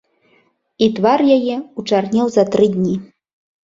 І твар яе ўчарнеў за тры дні.